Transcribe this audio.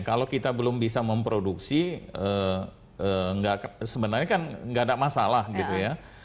kalau kita belum bisa memproduksi sebenarnya kan nggak ada masalah gitu ya